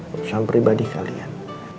urusan pribadi kalian